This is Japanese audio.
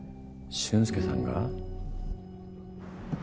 ・俊介さん。